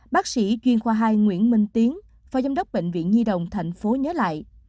bác sĩ chuyên khoa hai nguyễn minh tiến phó giám đốc bệnh viện nhi đồng thành phố nhớ lại